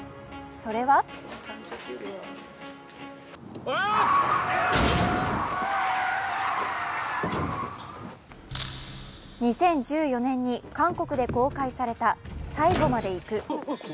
それは２０１４年に韓国で公開された「最後まで行く」。